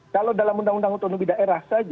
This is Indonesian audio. kalau dalam undang undang utama di daerah